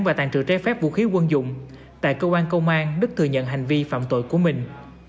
và tàn trừ trái phép vũ khí quân dụng tại cơ quan công an đức thừa nhận hành vi phạm tội của mình